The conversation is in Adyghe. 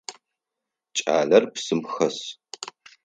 Кӏалэр псым хэс.